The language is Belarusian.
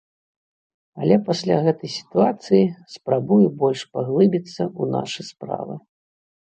Але пасля гэтай сітуацыі спрабую больш паглыбіцца ў нашы справы.